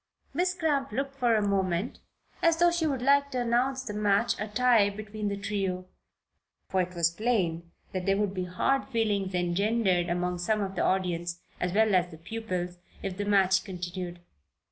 Miss Cramp looked for a moment as though she would like to announce the match a tie between the trio, for it was plain there would be hard feelings engendered among some of the audience, as well as the pupils, if the match continued.